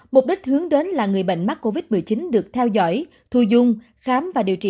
mục đích hướng đến là người bệnh mắc covid một mươi chín được theo dõi thu dung khám và điều trị